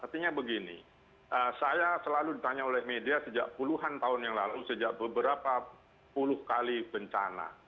artinya begini saya selalu ditanya oleh media sejak puluhan tahun yang lalu sejak beberapa puluh kali bencana